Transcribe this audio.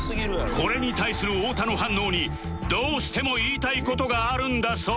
これに対する太田の反応にどうしても言いたい事があるんだそう